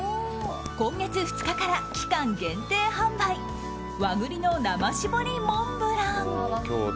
今月２日から期間限定販売和栗の生搾りモンブラン。